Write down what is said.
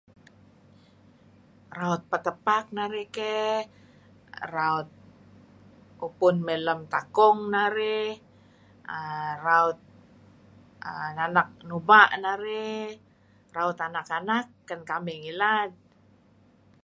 Raut petepak narih keh raut upun mey lem takung narih err raut err ngalap nuba' narih raut anak-anak ken kamih ngilad.